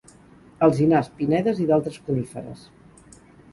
Alzinars, pinedes i d'altres coníferes.